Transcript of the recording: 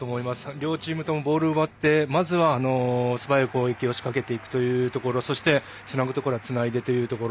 両チームともボールを奪ってまずはすばやく攻撃を仕掛けていくというところそして、つなぐところはつないでというところ。